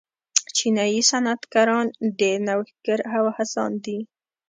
چینايي صنعتکاران ډېر نوښتګر او هڅاند دي.